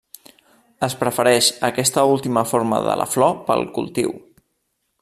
Es prefereix aquesta última forma de la flor pel cultiu.